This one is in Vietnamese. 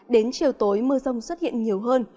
đến chiều tối mưa rông xuất hiện nhiều hơn